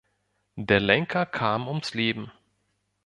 Der Lenker kam ums Leben.